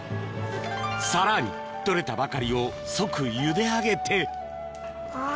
さらに取れたばかりを即ゆで上げてあぁ。